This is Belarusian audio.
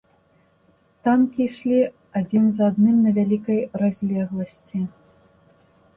Танкі ішлі адзін за адным на вялікай разлегласці.